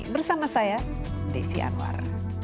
bersama saya desi anwar